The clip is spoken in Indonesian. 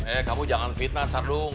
eh kamu jangan fitnah sardung